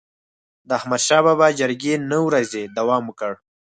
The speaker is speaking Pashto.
د احمدشاه بابا جرګي نه ورځي دوام وکړ.